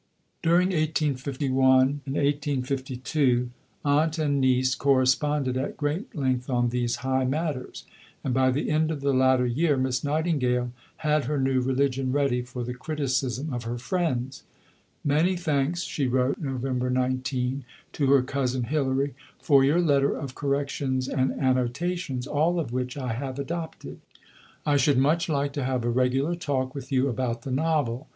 Letter to Sir John McNeill, May 17, 1860. During 1851 and 1852 aunt and niece corresponded at great length on these high matters, and by the end of the latter year Miss Nightingale had her new religion ready for the criticism of her friends. "Many thanks," she wrote (Nov. 19) to her cousin Hilary, "for your letter of corrections and annotations, all of which I have adopted. I should much like to have a regular talk with you about the Novel.